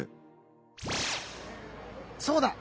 そうだ！